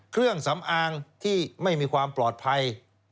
เครื่องสำอางที่ไม่มีความปลอดภัย